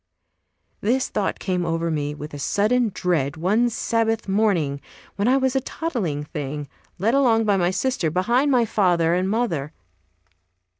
This thought came over me with a sudden dread one Sabbath morning when I was a toddling thing, led along by my sister, behind my father and mother.